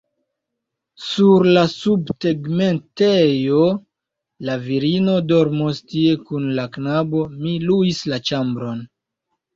Sur la subtegmentejo? La virino dormos tie kun la knabo; mi luis la ĉambron.